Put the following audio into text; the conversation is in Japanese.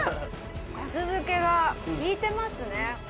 粕漬けがきいてますね。